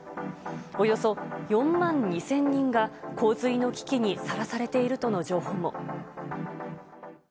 およそ４万２０００人が洪水の危機にさらされているとの情報も。